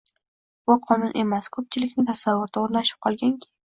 — Bu qonun emas. Ko‘pchilikning tasavvurida o‘rnashib qolganki